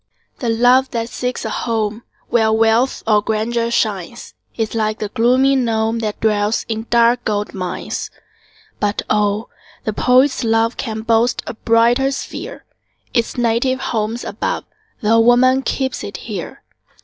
The love that seeks a home Where wealth or grandeur shines, Is like the gloomy gnome, That dwells in dark gold mines. But oh! the poet's love Can boast a brighter sphere; Its native home's above, Tho' woman keeps it here.